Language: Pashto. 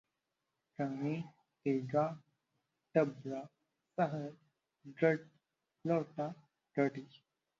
کاڼی، تیږه، ډبره، سخر، ګټ، لوټه، ګټی